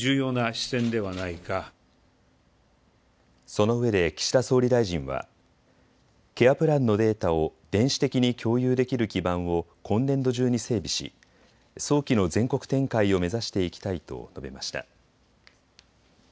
そのうえで岸田総理大臣はケアプランのデータを電子的に共有できる基盤を今年度中に整備し、早期の全国展開を目指していきたいと述べました。